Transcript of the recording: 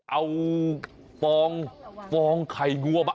เอาฟ้องไข่งูออกมา